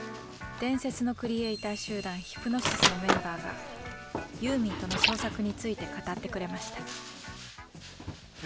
伝説のクリエーター集団ヒプノシスのメンバーがユーミンとの創作について語ってくれました。